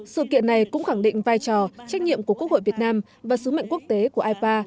sự kiện này cũng khẳng định vai trò trách nhiệm của quốc hội việt nam và sứ mệnh quốc tế của ipa